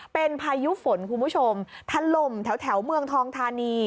เป็นพายุฝนคุณผู้ชมถล่มแถวเมืองทองทานี